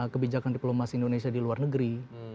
kebijakan diplomasi indonesia di luar negeri